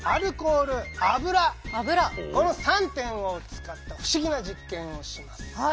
この３点を使った不思議な実験をします。